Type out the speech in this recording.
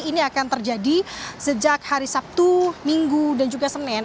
ini akan terjadi sejak hari sabtu minggu dan juga senin